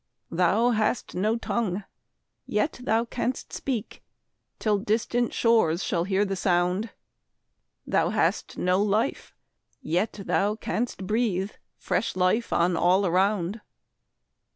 Thou hast no tongue, yet thou canst speak, Till distant shores shall hear the sound; Thou hast no life, yet thou canst breathe Fresh life on all around.